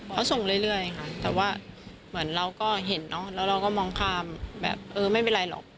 เขาส่งเรื่อยค่ะแต่ว่าเหมือนเราก็เห็นเนอะแล้วเราก็มองข้ามแบบเออไม่เป็นไรหรอก